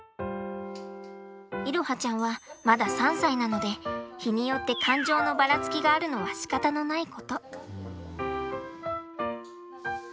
彩羽ちゃんはまだ３歳なので日によって感情のバラつきがあるのはしかたのないこと。